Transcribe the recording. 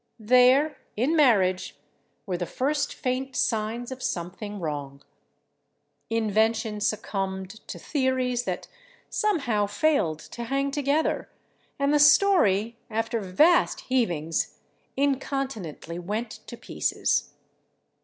There, in "Marriage," were the first faint signs of something wrong. Invention succumbed to theories that somehow failed to hang together, and the story, after vast heavings, incontinently went to pieces.